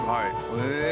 へえ！